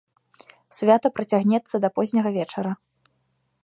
Свята працягнецца да позняга вечара.